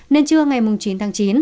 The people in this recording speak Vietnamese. nên trưa ngày chín tháng chín